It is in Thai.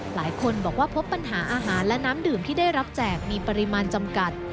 หลายคนบอกว่าพบปัญหาอาหารและน้ำดื่มที่ได้รับแจกมีปริมาณจำกัด